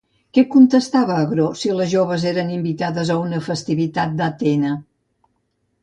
Què contestava Agró si les joves eren invitades a una festivitat d'Atena?